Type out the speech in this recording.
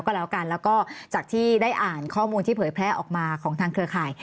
ก็แล้วกันแล้วก็จากที่ได้อ่านข้อมูลที่เผยแพร่ออกมาของทางเครือข่าย